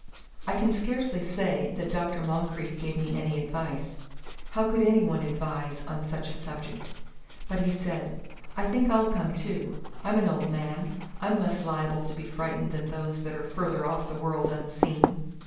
I can scarcely say that Dr. Moncrieff gave me any advice. How could any one advise on such a subject? But he said, "I think I'll come too. I'm an old man; I'm less liable to be frightened than those that are further off the world unseen.